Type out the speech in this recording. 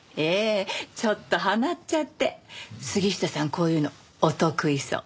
こういうのお得意そう。